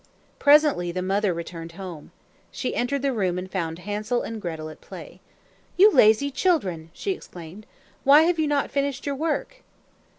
Presently the mother returned home. She entered the room and found Hansel and Gretel at play. "You lazy children!" she exclaimed. "Why have you not finished your work?"